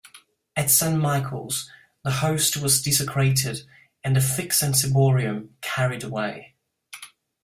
At Saint Michael's, the Host was desecrated, and the pyx and ciborium carried away.